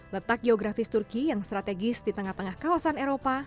letak geografis turki yang strategis di tengah tengah kawasan eropa